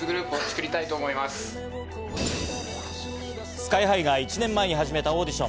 ＳＫＹ−ＨＩが１年前に始めたオーディション。